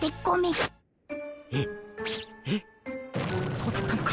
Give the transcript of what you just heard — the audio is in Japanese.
そうだったのか。